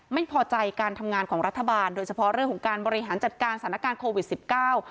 ไม่พอใจการทำงานของรัฐบาลโดยเฉพาะเรื่องของการบริหารจัดการสถานการณ์โควิดสิบเก้า